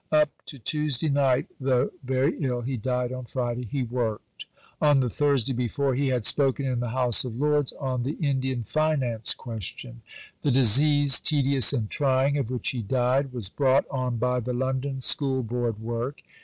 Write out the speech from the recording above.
Up to Tuesday night, tho' very ill (he died on Friday), he worked. On the Thursday before, he had spoken in the House of Lords on the Indian Finance question. The disease, tedious and trying, of which he died, was brought on by the London School Board work.